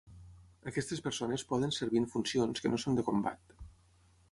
Aquestes persones poden servir en funcions que no són de combat.